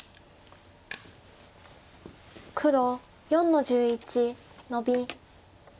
黒４の十一ノビ。